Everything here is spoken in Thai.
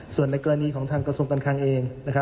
ส่วนในกรณีของทางกระทรวงการคลังเอง